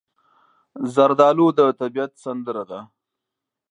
زردالو د طبیعت سندره ده.